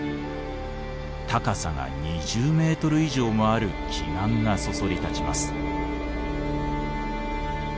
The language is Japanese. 高さが２０メートル以上もある奇岩がそそり立ちます。